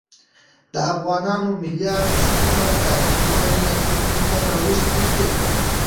د افغانانو ملي ارزښتونه تاريخي برياليتوبونه راوستي دي.